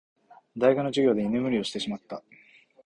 大学の授業で居眠りをしてしまった。